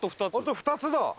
あと２つだ。